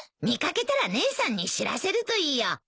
見掛けたら姉さんに知らせるといいよ。